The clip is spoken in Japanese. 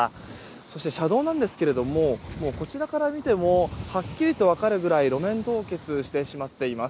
そして、車道ですがこちらから見てもはっきりと分かるくらい路面凍結してしまっています。